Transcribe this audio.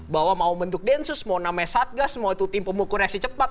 bahwa mau bentuk densus mau namanya satgas mau itu tim pemukul reaksi cepat